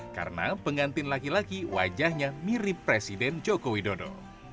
karena pengantin laki laki wajahnya mirip presiden joko widodo